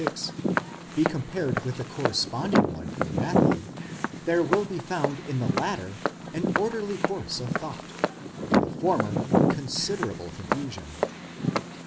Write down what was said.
2 36, be compared with the corresponding one in Matthew, there will be found in the latter an orderly course of thought ; in the former, con siderable confusion.